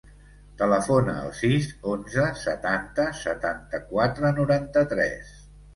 Telefona al sis, onze, setanta, setanta-quatre, noranta-tres.